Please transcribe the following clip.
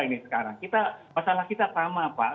ini sekarang masalah kita sama pak